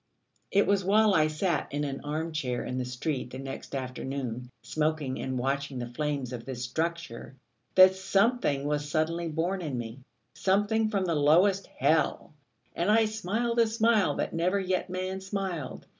It was while I sat in an arm chair in the street the next afternoon, smoking, and watching the flames of this structure, that something was suddenly born in me, something from the lowest Hell: and I smiled a smile that never yet man smiled.